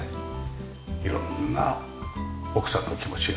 色んな奥さんの気持ちが。